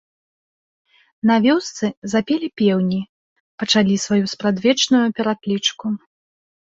На вёсцы запелі пеўні, пачалі сваю спрадвечную пераклічку.